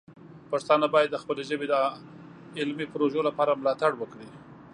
پښتانه باید د خپلې ژبې د علمي پروژو لپاره مالتړ وکړي.